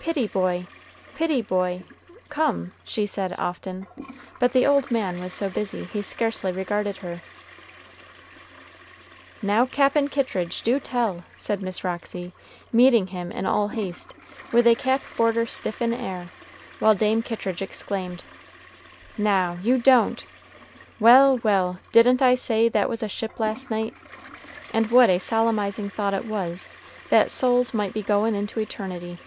"Pitty boy, pitty boy, come!" she said often; but the old man was so busy, he scarcely regarded her. "Now, Cap'n Kittridge, do tell!" said Miss Roxy, meeting him in all haste, with a cap border stiff in air, while Dame Kittridge exclaimed, "Now, you don't! Well, well! didn't I say that was a ship last night? And what a solemnizing thought it was that souls might be goin' into eternity!"